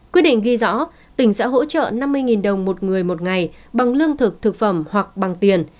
quyết định ghi rõ tỉnh sẽ hỗ trợ năm mươi đồng một người một ngày bằng lương thực thực phẩm hoặc bằng tiền